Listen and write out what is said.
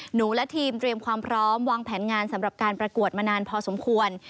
หนูและทีมเตรียมความพร้อมวางแผนงานสำหรับการประกวดมานานพอสมควร